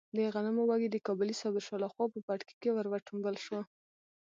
د غنمو وږی د کابلي صابر شاه لخوا په پټکي کې ور وټومبل شو.